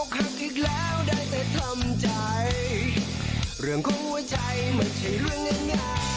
อกหักอีกแล้วได้แต่ทำใจเรื่องคงว่าใช่มันไม่ใช่เรื่องง่าย